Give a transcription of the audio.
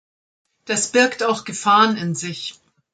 Das birgt auch Gefahren in sich.